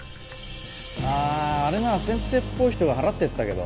あああれなら先生っぽい人が払ってったけど